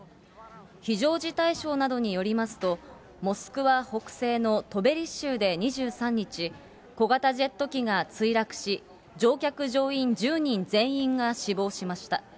非常事態省などによりますと、モスクワ北西のトベリ州で２３日、小型ジェット機が墜落し、乗客・乗員１０人全員が死亡しました。